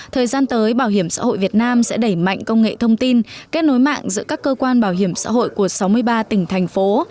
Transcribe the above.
thời gian tới bảo hiểm xã hội việt nam sẽ đẩy mạnh công nghệ thông tin kết nối mạng giữa các cơ quan bảo hiểm xã hội của sáu mươi ba tỉnh thành phố